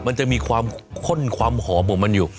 มันจะมีความข้นความหอมของมันอยู่